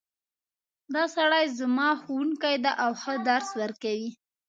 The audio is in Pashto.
دا سړی زما ښوونکی ده او ښه درس ورکوی